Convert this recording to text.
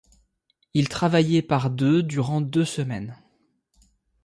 Ils travaillaient par deux durant deux semaines.